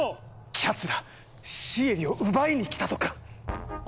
⁉きゃつらシエリを奪いに来たとか？